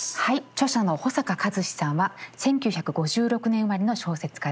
著者の保坂和志さんは１９５６年生まれの小説家です。